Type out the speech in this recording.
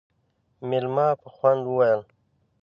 مېلمه په خوند وويل: